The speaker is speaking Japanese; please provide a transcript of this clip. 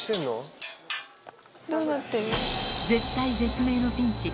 絶体絶命のピンチ。